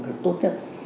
cái tốt nhất